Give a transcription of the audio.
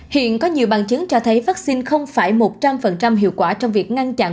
hiện có nhiều bằng chứng cho thấy vaccine không phải một trăm linh hiệu quả trong việc ngăn chặn